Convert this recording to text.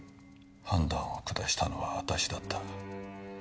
判断を下したのは私だった。